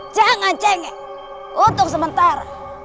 jangan cengek untuk sementara